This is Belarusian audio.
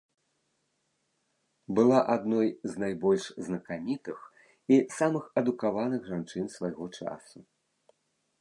Была адной з найбольш знакамітых і самых адукаваных жанчын свайго часу.